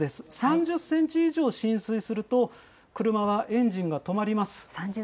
３０センチ以上浸水すると、車はエンジンが止まります。